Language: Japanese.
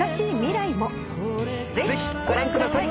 ぜひご覧ください。